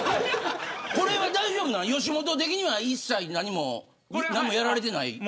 これは吉本的には一切何も何もやられてない。